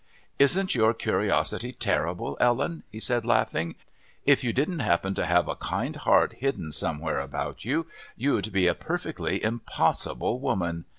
"Isn't your curiosity terrible, Ellen!" he said, laughing. "If you didn't happen to have a kind heart hidden somewhere about you, you'd be a perfectly impossible woman.